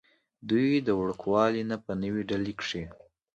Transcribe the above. دوي د وړوکوالي نه پۀ نوي ډيلي کښې